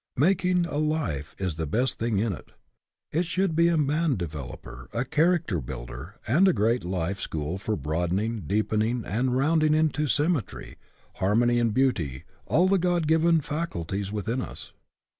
Making a life is the best thing in it. It should be a man developer, a character builder, and a great life school for broadening, deepening, and round ing into symmetry, harmony, and beauty all the God given faculties within us.